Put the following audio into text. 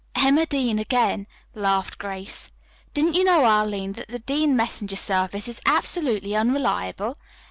"Emma Dean again," laughed Grace. "Didn't you know, Arline, that the Dean messenger service is absolutely unreliable?